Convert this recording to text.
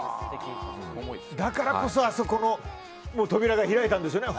だからこそあそこの扉が開いたんでしょうね。